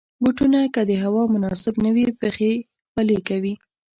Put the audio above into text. بوټونه که د هوا مناسب نه وي، پښې خولې کوي.